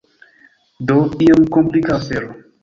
Do, iom komplika afero.